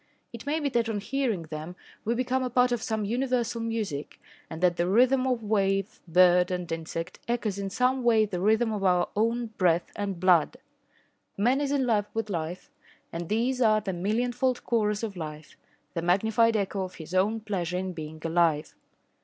It may be that on hearing them we become a part of some universal music, and that the rhythm of wave, bird and insect echoes in some way the rhythm of our own breath and blood. Man is in love with life and these are the millionfold chorus of life the magnified echo of his own pleasure in being alive.